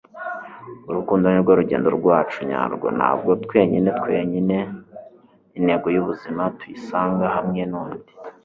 urukundo ni rwo rugendo rwacu nyarwo. ntabwo twenyine twenyine intego y'ubuzima - tuyisanga hamwe n'undi